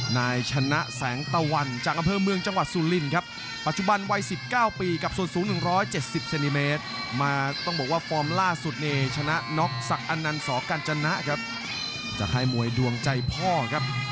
นายชนะแสงตะวัน